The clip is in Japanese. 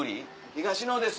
東野です！